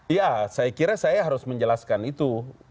iya saya kira saya harus menjelaskan itu